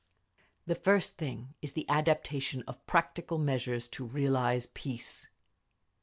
"The first thing is the adoption of practical measures to realise peace….